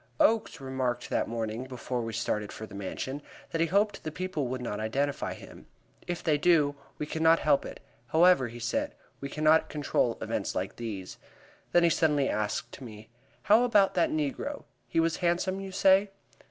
Oakes remarked that morning, before we started for the Mansion, that he hoped the people would not identify him. "If they do, we cannot help it, however," he said; "we cannot control events like these." Then he suddenly asked me: "How about that negro? He was handsome, you say?"